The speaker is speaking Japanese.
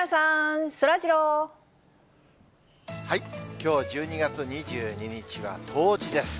きょう１２月２２日は冬至です。